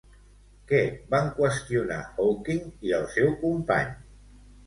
Què van qüestionar Hawking i el seu company?